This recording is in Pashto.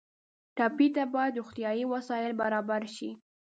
ټپي ته باید روغتیایي وسایل برابر شي.